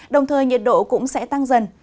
đồng thời nhiệt độ cũng sẽ tăng dần